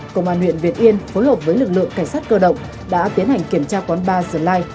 công an huyện việt yên phối hợp với lực lượng cảnh sát cơ động đã tiến hành kiểm tra quán ba dli